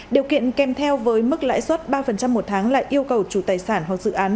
điều kiện kèm theo với mức lãi suất ba một tháng là yêu cầu chủ tài sản hoặc dự án